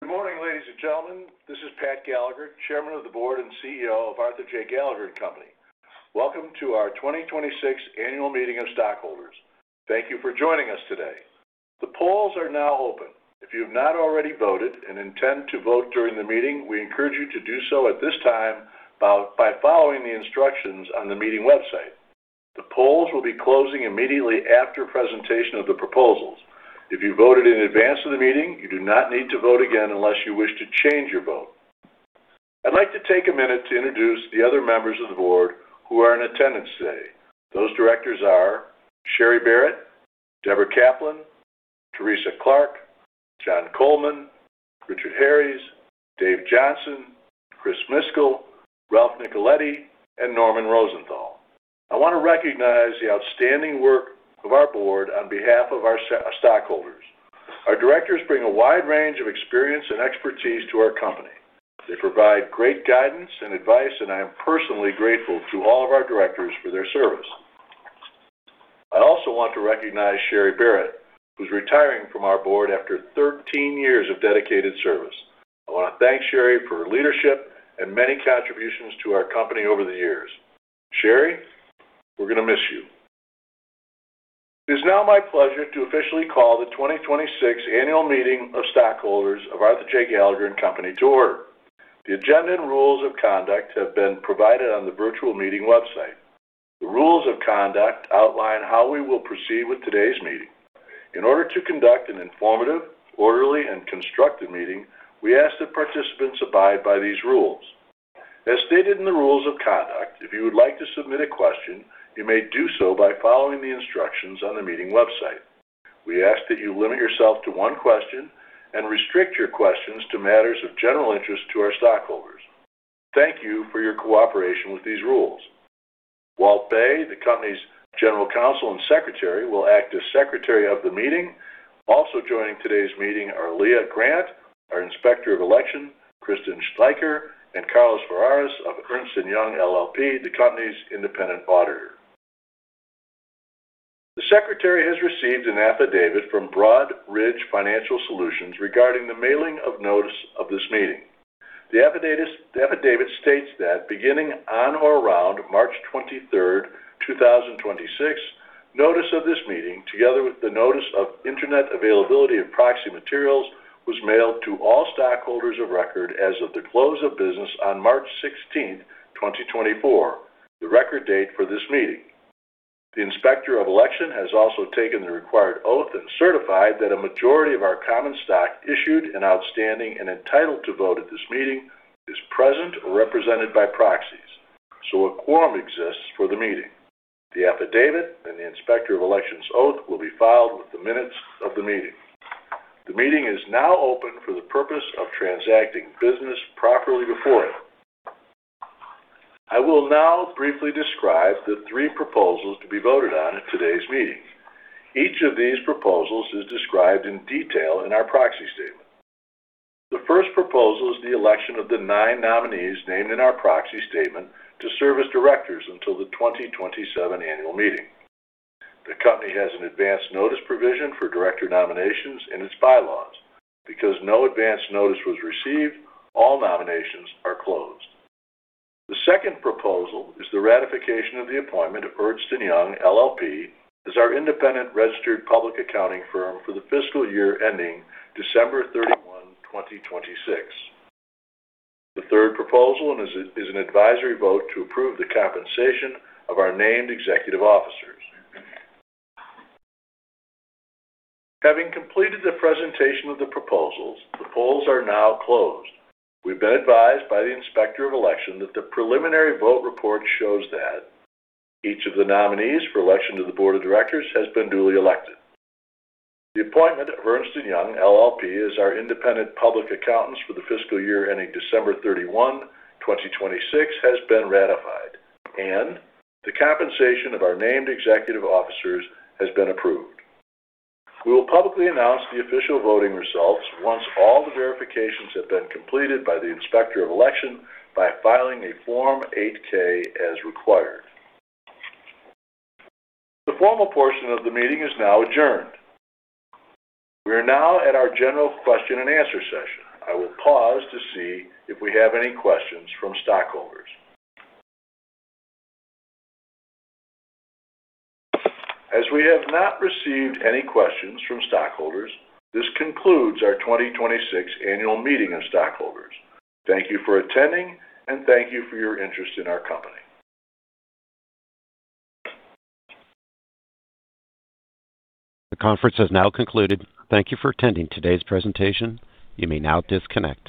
Good morning, ladies and gentlemen. This is Pat Gallagher, Chairman of the Board and CEO of Arthur J. Gallagher & Co. Welcome to our 2026 Annual Meeting of Stockholders. Thank you for joining us today. The polls are now open. If you have not already voted and intend to vote during the meeting, we encourage you to do so at this time by following the instructions on the meeting website. The polls will be closing immediately after presentation of the proposals. If you voted in advance of the meeting, you do not need to vote again unless you wish to change your vote. I'd like to take a minute to introduce the other members of the Board who are in attendance today. Those Directors are Sherry Barrat, Deborah Caplan, Teresa Clarke, John Coldman, Richard Harries, David Johnson, Chris Miskel, Ralph Nicoletti, and Norman Rosenthal. I wanna recognize the outstanding work of our board on behalf of our stockholders. Our directors bring a wide range of experience and expertise to our company. They provide great guidance and advice, and I am personally grateful to all of our directors for their service. I also want to recognize Sherry Barrat, who's retiring from our board after 13 years of dedicated service. I wanna thank Sherry for her leadership and many contributions to our company over the years. Sherry, we're gonna miss you. It is now my pleasure to officially call the 2026 Annual Meeting of Stockholders of Arthur J. Gallagher & Co. to order. The agenda and rules of conduct have been provided on the virtual meeting website. The rules of conduct outline how we will proceed with today's meeting. In order to conduct an informative, orderly, and constructive meeting, we ask that participants abide by these rules. As stated in the rules of conduct, if you would like to submit a question, you may do so by following the instructions on the meeting website. We ask that you limit yourself to one question and restrict your questions to matters of general interest to our stockholders. Thank you for your cooperation with these rules. Walt Bay, the company's General Counsel and Secretary, will act as Secretary of the meeting. Also joining today's meeting are Leah Grant, our Inspector of Election, Kristin Steiker, and Carlos Ferraris of Ernst & Young LLP, the company's independent auditor. The Secretary has received an affidavit from Broadridge Financial Solutions regarding the mailing of notice of this meeting. The affidavit states that beginning on or around March 23rd, 2026, notice of this meeting, together with the notice of internet availability of proxy materials, was mailed to all stockholders of record as of the close of business on March 16th, 2024, the record date for this meeting. The Inspector of Election has also taken the required oath and certified that a majority of our common stock issued and outstanding and entitled to vote at this meeting is present or represented by proxies. A quorum exists for the meeting. The affidavit and the Inspector of Election's oath will be filed with the minutes of the meeting. The meeting is now open for the purpose of transacting business properly before it. I will now briefly describe the three proposals to be voted on at today's meeting. Each of these proposals is described in detail in our proxy statement. The first proposal is the election of the nine nominees named in our proxy statement to serve as directors until the 2027 annual meeting. The company has an advanced notice provision for director nominations in its bylaws. Because no advanced notice was received, all nominations are closed. The second proposal is the ratification of the appointment of Ernst & Young LLP as our independent registered public accounting firm for the fiscal year ending December 31, 2026. The third proposal is an advisory vote to approve the compensation of our named executive officers. Having completed the presentation of the proposals, the polls are now closed. We've been advised by the Inspector of Election that the preliminary vote report shows that each of the nominees for election to the board of directors has been duly elected. The appointment of Ernst & Young LLP as our independent public accountants for the fiscal year ending December 31, 2026, has been ratified, and the compensation of our named executive officers has been approved. We will publicly announce the official voting results once all the verifications have been completed by the Inspector of Election by filing a Form 8-K as required. The formal portion of the meeting is now adjourned. We are now at our general question and answer session. I will pause to see if we have any questions from stockholders. As we have not received any questions from stockholders, this concludes our 2026 Annual Meeting of Stockholders. Thank you for attending, and thank you for your interest in our company. The conference has now concluded. Thank you for attending today's presentation. You may now disconnect.